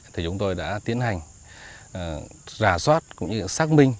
thì chúng tôi đã tiến hành giả soát cũng như xác minh